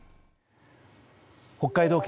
北海道警